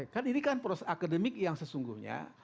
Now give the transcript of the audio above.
kan ini kan proses akademik yang sesungguhnya